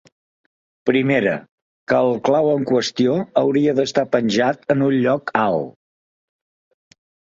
Primera, que el clau en qüestió hauria d'estar penjat en un lloc alt.